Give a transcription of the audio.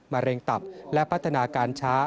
มะเร็งตับและพัฒนาการช้า